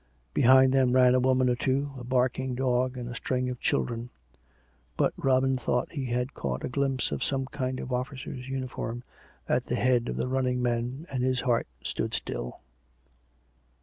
Behind them ran a woman or two, a barking dog, and a string of children. But Robin thought he had caught a glimpse of some kind of officer's uniform at the head of the running men, and his heart stood still.